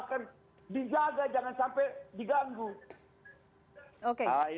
baik baik kita sudah tersambung dengan mas hope ini itu adalah apa ya